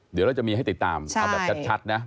เดี๋ยวเราจะมีให้ติดตามเอาแบบชัดนะ